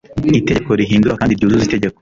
Itegeko rihindura kandi ryuzuza Itegeko